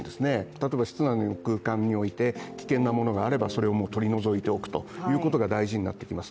例えば室内空間において危険なものがあればそれを取り除いておくということが大事になってきます。